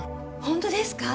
本当ですか？